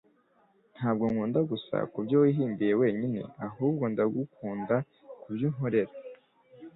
Ntabwo ngukunda gusa kubyo wihimbiye wenyine, ahubwo ndagukunda kubyo unkorera. ”